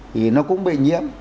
thì nó cũng bị nhiễm